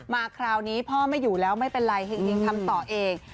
คราวนี้พ่อไม่อยู่แล้วไม่เป็นไรเห็งทำต่อเอง